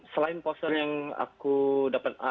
selain poster yang aku dapat